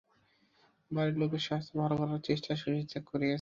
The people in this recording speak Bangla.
বাড়ির লোকের স্বাস্থ্য ভালো করার চেষ্টা শশী ত্যাগ করিয়াছে।